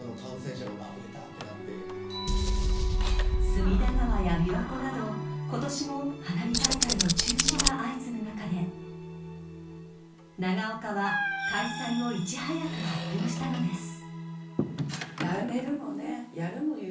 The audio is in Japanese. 隅田川やびわ湖など今年も花火大会の中止が相次ぐ中で長岡は開催をいち早く発表したのです。